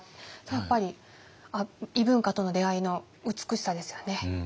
やっぱり異文化との出会いの美しさですよね。